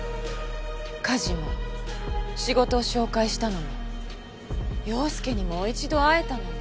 家事も仕事を紹介したのも陽佑にもう一度会えたのも。